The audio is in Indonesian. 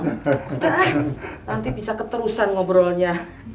nanti bisa keterusan ngobrolnya